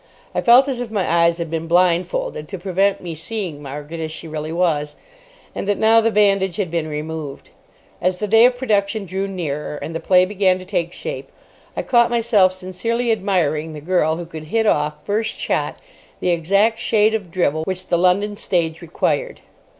I felt as if my eyes had been blindfolded to prevent me seeing Margaret as she really was, and that now the bandage had been removed. As the day of production drew nearer, and the play began to take shape, I caught myself sincerely admiring the girl who could hit off, first shot, the exact shade of drivel which the London stage required.